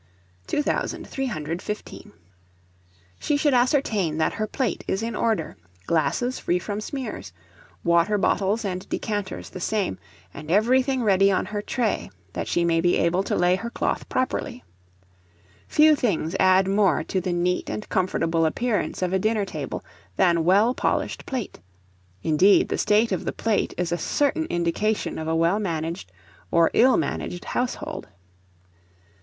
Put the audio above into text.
[Illustration: BUTLER'S TRAY AND STAND.] 2315. She should ascertain that her plate is in order, glasses free from smears, water bottles and decanters the same, and everything ready on her tray, that she may be able to lay her cloth properly. Few things add more to the neat and comfortable appearance of a dinner table than well polished plate; indeed, the state of the plate is a certain indication of a well managed or ill managed household.